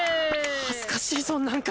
恥ずかしいぞなんか